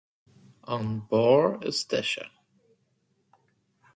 An beár is deise.